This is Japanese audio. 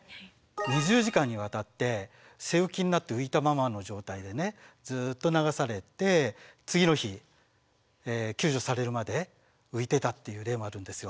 ２０時間にわたって背浮きになって浮いたままの状態でずっと流されて次の日救助されるまで浮いてたっていう例もあるんですよ。